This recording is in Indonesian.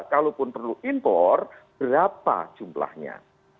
kalaupun perlu impor berapa jumlahnya